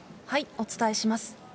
お伝えします。